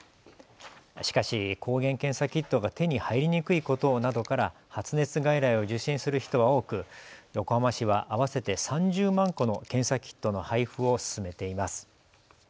しかし抗原検査キットが手に入りにくいことなどから発熱外来を受診する人は多く横浜市は合わせて３０万個の検査キットの配布を進めています。